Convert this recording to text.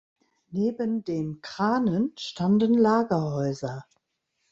Neben dem Kranen standen Lagerhäuser.